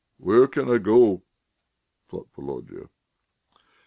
"Where can I go?" thought Volodya.